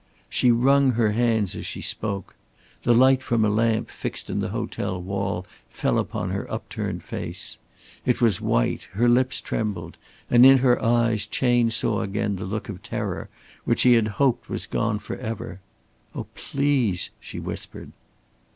She wrung her hands as she spoke. The light from a lamp fixed in the hotel wall fell upon her upturned face. It was white, her lips trembled, and in her eyes Chayne saw again the look of terror which he had hoped was gone forever. "Oh, please," she whispered.